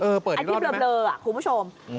เออเปิดอีกรอบได้ไหมครับอาทิตย์เบลอคุณผู้ชม